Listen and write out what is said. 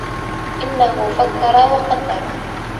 إِنَّهُ فَكَّرَ وَقَدَّرَ